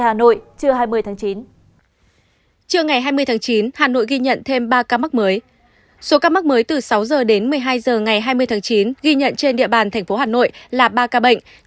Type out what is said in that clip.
số ca mắc mới từ sáu h đến một mươi hai h ngày hai mươi tháng chín ghi nhận trên địa bàn tp hà nội là ba ca bệnh